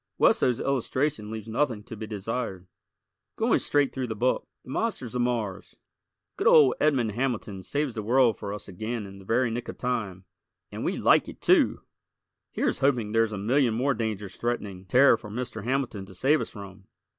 Wesso's illustration leaves nothing to be desired. Going straight through the book: "The Monsters of Mars." Good old Edmond Hamilton saves the world for us again in the very nick of time and we like it, too! Here's hoping there's a million more dangers threatening Terra for Mr. Hamilton to save us from!